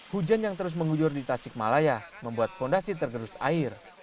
hujan yang terus mengujur di tasikmalaya membuat fondasi tergerus air